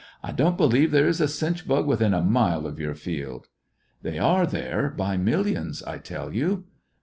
"I don't believe there is a chinch bug within a mile of your field." "They are there by millions, I tell you."